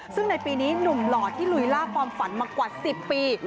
ซึ่งในปีนี้หนุ่มหล่อที่ลุยล่าความฝันมากว่า๑๐ปี